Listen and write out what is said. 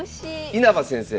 稲葉先生！